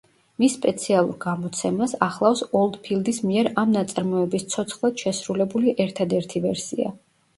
მის სპეციალურ გამოცემას ახლავს ოლდფილდის მიერ ამ ნაწარმოების ცოცხლად შესრულებული ერთადერთი ვერსია.